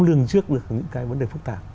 lường trước được những cái vấn đề phức tạp